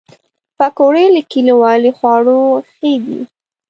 پکورې له کلیوالي خواړو ښې دي